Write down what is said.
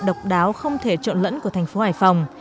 độc đáo không thể trộn lẫn của thành phố hải phòng